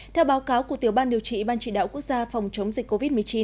theo báo cáo của tiểu ban điều trị ban chỉ đạo quốc gia phòng chống dịch covid một mươi chín